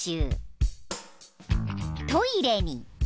［トイレに］